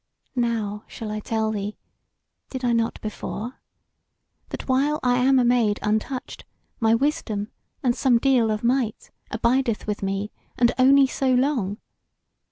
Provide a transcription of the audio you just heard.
Now shall I tell thee did I not before? that while I am a maid untouched, my wisdom, and somedeal of might, abideth with me, and only so long.